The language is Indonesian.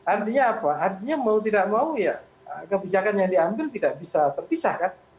artinya apa artinya mau tidak mau ya kebijakan yang diambil tidak bisa terpisah kan